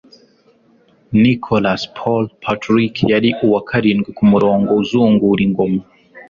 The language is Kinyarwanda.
Nicholas Paul Patrick yari uwa karindwi kumurongo uzungura ingoma